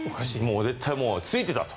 絶対ついてたと。